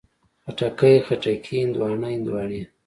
خټکی، خټکي، هندواڼه، هندواڼې